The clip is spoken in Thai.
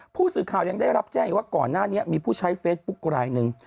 ผู้สื่อข่าวยังได้รับแจ้งอีกว่าก่อนหน้านี้มีผู้ใช้เฟซบุ๊กรายหนึ่ง